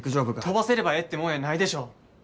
飛ばせればええってもんやないでしょ。